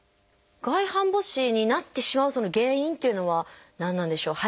外反母趾になってしまうその原因っていうのは何なんでしょう？